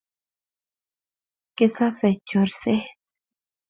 Kisasei chorset